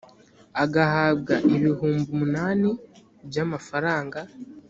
agahabwa ibihumbi umunani by amafaranga